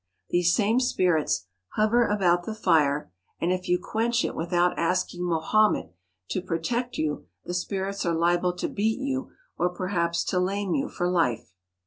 These same spirits hover about the fire, and if you quench it without asking Mohammed to protect you the spirits are liable to beat you or perhaps lame you for life.